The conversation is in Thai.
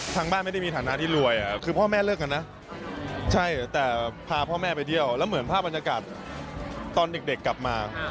ทางบ้านไม่ได้มีฐานะที่รวยคือพ่อแม่เลิกกันนะใช่แต่พาพ่อแม่ไปเที่ยวแล้วเหมือนภาพบรรยากาศตอนเด็กกลับมา